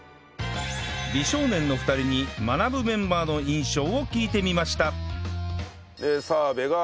美少年の２人に『マナブ』メンバーの印象を聞いてみました